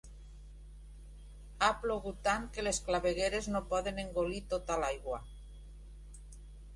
Ha plogut tant, que les clavegueres no poden engolir tota l'aigua.